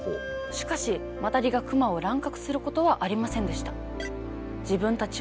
しかしマタギが熊を乱獲することはありませんでした。